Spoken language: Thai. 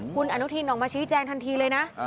คุณอนุทินออกมาชี้แจงทันทีเลยนะ